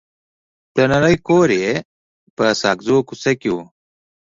پلرنی کور یې په ساګزو کوڅه کې و.